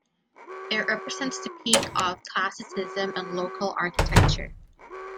It represents the peak of classicism in local architecture.